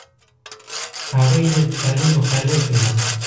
هغوی دې د تعلیم مخالف وي.